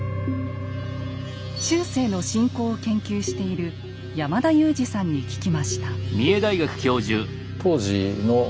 中世の信仰を研究している山田雄司さんに聞きました。